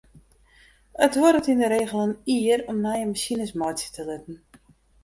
It duorret yn de regel in jier om nije masines meitsje te litten.